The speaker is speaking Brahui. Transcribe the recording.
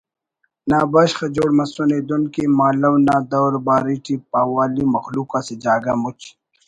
نا بشخ جوڑ مسنے دن کہ مہالونا دور باری ٹی پہوالی مخلوق اسہ جاگہ مُچ